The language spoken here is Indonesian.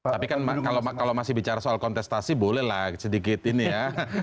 tapi kan kalau masih bicara soal kontestasi bolehlah sedikit ini ya